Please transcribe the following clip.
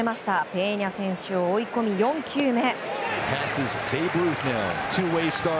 ペーニャ選手を追い込み４球目。